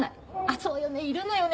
そうよねいるのよね